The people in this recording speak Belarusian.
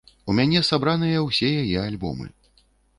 У мяне сабраныя ўсе яе альбомы.